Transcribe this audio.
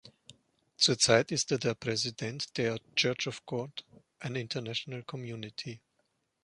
Zurzeit ist er der Präsident der Church of God, an International Community.